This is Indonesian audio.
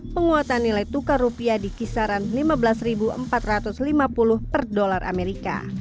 penguatan nilai tukar rupiah di kisaran lima belas empat ratus lima puluh per dolar amerika